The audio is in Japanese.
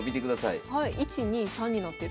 １２３になってる。